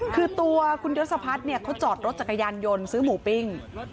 คือตัวคุณยศพัฒน์เขาจอดรถจักรยานยนต์ซื้อหมูปิ้ง